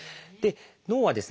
脳はですね